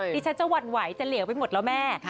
ดิฉันจะหวั่นไหวจะเหลวไปหมดแล้วแม่